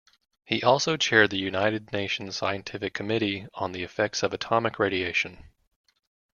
He also chaired the United Nations Scientific Committee on the Effects of Atomic Radiation.